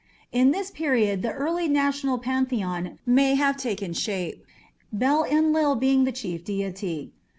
In this period the early national pantheon may have taken shape, Bel Enlil being the chief deity.